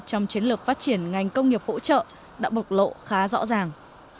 trong chiến lược phát triển ngành công nghiệp hỗ trợ đã bộc lộ khá rõ ràng